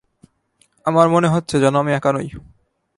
আমার মনে হচ্ছে, যেন আমি একা নই।